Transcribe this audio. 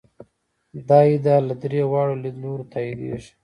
دا ادعا له درې واړو لیدلورو تاییدېږي.